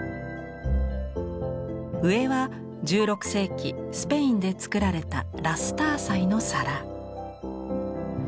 上は１６世紀スペインで作られたラスター彩の皿。